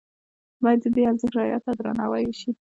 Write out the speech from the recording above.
باید د دې ارزښت رعایت او درناوی وشي.